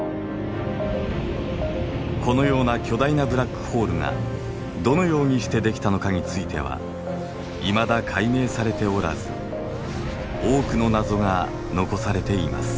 このような巨大なブラックホールがどのようにしてできたのかについてはいまだ解明されておらず多くの謎が残されています。